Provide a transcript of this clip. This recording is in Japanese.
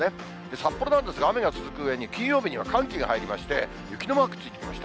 札幌なんですが、雨が続くうえに、金曜日には寒気が入りまして、雪のマークついてきました。